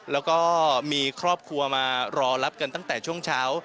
แล้วก็มีครอบครัวมารอรับกันตั้งแต่ช่วงเช้า